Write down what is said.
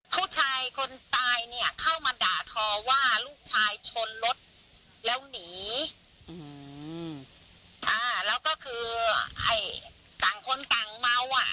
ผู้ชายคนตายเนี่ยเข้ามาด่าทอว่าลูกชายชนรถแล้วหนีอืมอ่าแล้วก็คือไอ้ต่างคนต่างเมาอ่ะ